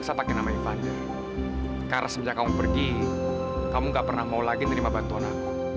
sampai jumpa di video selanjutnya